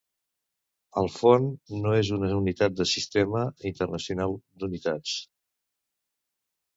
El fon no és una unitat del Sistema Internacional d'Unitats.